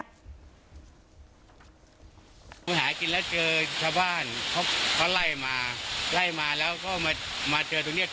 มาหากินแล้วเจอชาวบ้านเขาไล่มาไล่มาแล้วก็มาเจอตรงเนี้ย